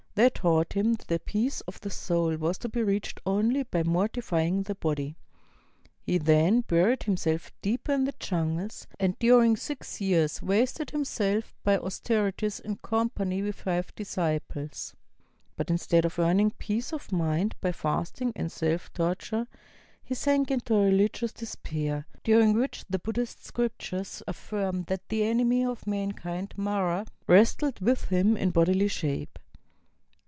They taught him that the peace of the soul was to be reached only by mortif\ ing the body. He then buried himself deeper in the jungles, and during sLx years wasted himself by austerities in company with five disciples. But instead of earning peace of mind by fasting and self torture, he sank into a rehgious despair, during which the Buddhist scriptures affirm that the enemy of mankind. Mara, wrestled v^ith him in bodily shape.